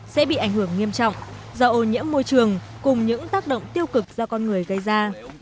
sẽ bị ảnh hưởng nghiêm trọng do ô nhiễm môi trường cùng những tác động tiêu cực do con người gây ra